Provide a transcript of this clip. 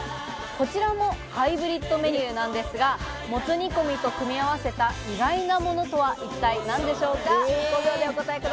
こちらもハイブリッドメニューなんですが、もつ煮込みと組み合わせた意外なものとは一体何でしょうか？